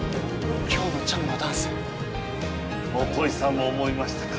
今日のちゃむのダンス基さんも思いましたか？